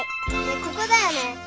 ここだよね？